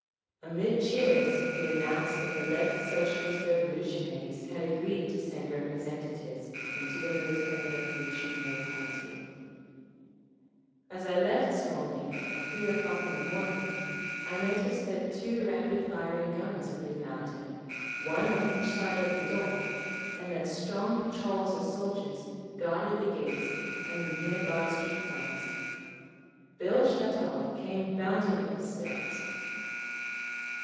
Amid cheers he announced that the Left Socialist Revolutionaries had agreed to send representatives into the Military Revolutionary Committee…. As I left Smolny, at three o'clock in the morning, I noticed that two rapid firing guns had been mounted, one on each side of the door, and that strong patrols of soldiers guarded the gates and the near by street corners. Bill Shatov came bounding up the steps.